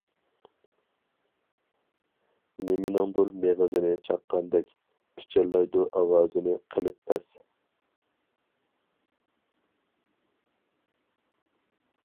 نېمىنىڭدۇر مېغىزىنى چاققاندەك، پىچىرلايدۇ ئاۋازىنى قىلىپ پەس.